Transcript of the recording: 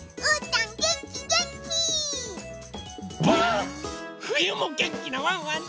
ふゆもげんきなワンワンです！